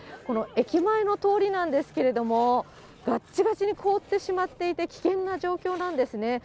この駅前の通りなんですけれども、がっちがちに凍ってしまっていて、危険な状況なんですね。